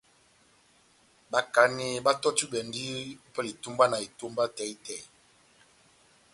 Bakaneyi batɔ́tudwɛndi opɛlɛ ya itumbwana etómba tɛhi-tɛhi.